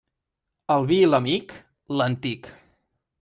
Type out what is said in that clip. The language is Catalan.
El vi i l'amic, l'antic.